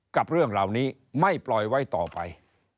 กับเรื่องเหล่านี้ไม่ปล่อยไว้ต่อไป